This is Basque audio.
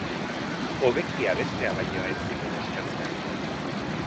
Hobeki abestea baino ez zigun eskatzen.